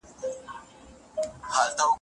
لارښود باید د شاګرد په مشوره وټاکل سي.